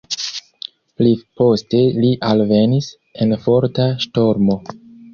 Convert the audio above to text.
Pliposte li alvenis en forta ŝtormo.